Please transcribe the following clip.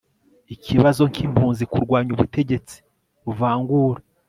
ikibazo k impunzi Kurwanya ubutegetsi buvangura